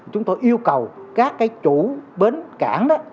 chúng tôi yêu cầu các cái chủ bến cảng đó